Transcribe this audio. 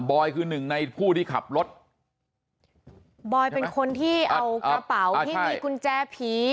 อยคือหนึ่งในผู้ที่ขับรถบอยเป็นคนที่เอากระเป๋าที่มีกุญแจผี